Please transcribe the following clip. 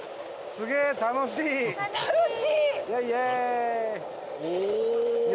楽しい！